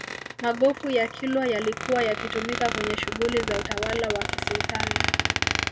magofu ya kilwa yalikuwa yakitumika kwenye shughuli za utawala wa kisultani